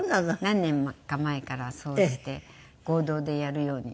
何年か前からそうして合同でやるようになってます。